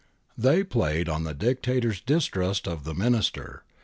They played on the Dictator's distrust of the Minister.